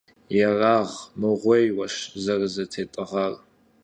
Ерагъмыгъуейуэщ зэрызэтетӀыгъар.